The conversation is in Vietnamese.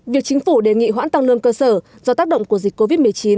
việc chính phủ đề nghị hoãn tăng lương cơ sở do tác động của dịch covid một mươi chín